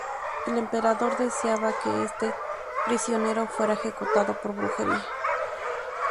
El emperador deseaba que este prisionero fuera ejecutado por brujería.